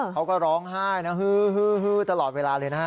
เขาก็ร้องไห้นะฮือตลอดเวลาเลยนะฮะ